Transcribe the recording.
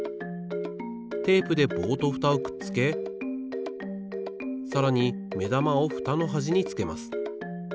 テープで棒とフタをくっつけさらにめだまをフタのはじにつけます。